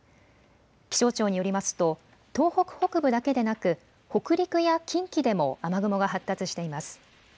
気象庁によりますと東北北部だけでなく北陸や近畿でも雨雲が発達しています。